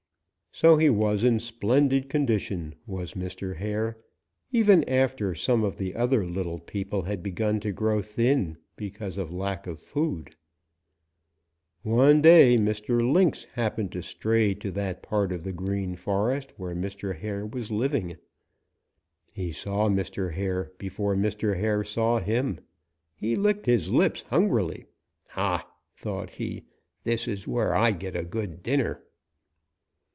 So he was in splendid condition, was Mr. Hare, even after some of the other little people had begun to grow thin because of lack of food. One day Mr. Lynx happened to stray to that part of the Green Forest where Mr. Hare was living. He saw Mr. Hare before Mr. Hare saw him. He licked his lips hungrily. 'Ha!' thought he, 'this is where I get a good dinner.'